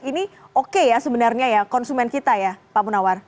ini oke ya sebenarnya ya konsumen kita ya pak munawar